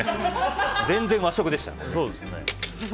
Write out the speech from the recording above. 全然和食でしたね。